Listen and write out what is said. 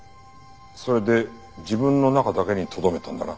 それで自分の中だけにとどめたんだな。